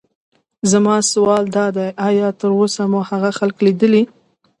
زما سوال دادی: ایا تراوسه مو هغه خلک لیدلي.